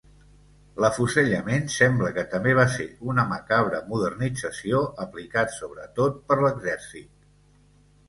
L'afusellament sembla que també va ser una macabra modernització, aplicat sobretot per l'exèrcit.